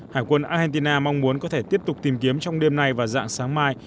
hải quân argentina mong muốn có thể tiếp tục tìm kiếm trong đêm nay và dạng sáng mai